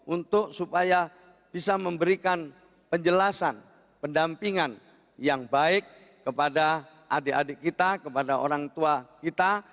untuk supaya bisa memberikan penjelasan pendampingan yang baik kepada adik adik kita kepada orang tua kita